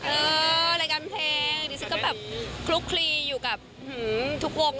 รายการเพลงดิฉันก็แบบคลุกคลีอยู่กับทุกวง